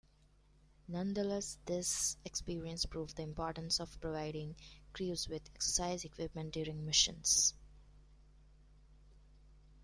Nonetheless, this experience proved the importance of providing crews with exercise equipment during missions.